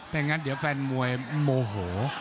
อย่างนั้นเดี๋ยวแฟนมวยโมโห